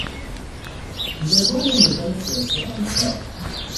زوال نظام سیاسی آنها